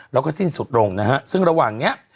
แล้วก็สิ้นสุดลงนะฮะซึ่งระหว่างเนี้ย